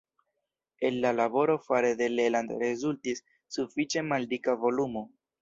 El la laboro fare de Leland rezultis sufiĉe maldika volumo.